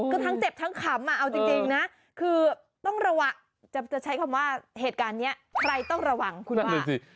คือทั้งเจ็บทั้งขำเอาจริงนะคือต้องระวังจะใช้คำว่าเหตุการณ์นี้ใครต้องระวังคุณดูสิ